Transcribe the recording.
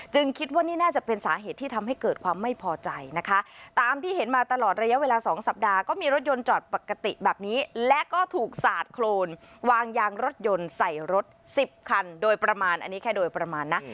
คิดว่านี่น่าจะเป็นสาเหตุที่ทำให้เกิดความไม่พอใจนะคะตามที่เห็นมาตลอดระยะเวลาสองสัปดาห์ก็มีรถยนต์จอดปกติแบบนี้และก็ถูกสาดโครนวางยางรถยนต์ใส่รถสิบคันโดยประมาณอันนี้แค่โดยประมาณนะ